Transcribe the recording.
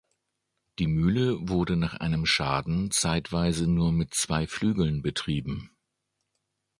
Die Mühle wurde nach einem Schaden zeitweise nur mit zwei Flügeln betrieben.